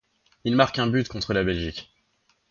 Il marque un but contre la Belgique.